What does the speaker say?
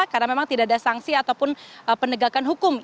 karena memang tidak ada sanksi ataupun penegakan hukum